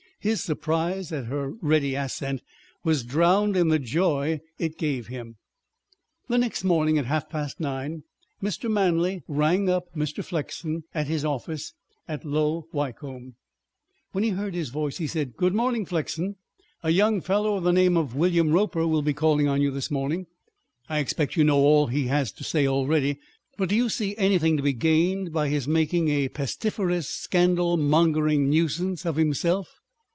His surprise at her ready assent was drowned in the joy it gave him. The next morning at half past nine Mr. Manley rang up Mr. Flexen at his office at Low Wycombe. When he heard his voice he said: "Good morning, Flexen. A young fellow of the name of William Roper will be calling on you this morning. I expect you know all he has to say already. But do you see anything to be gained by his making a pestiferous, scandal mongering nuisance of himself?"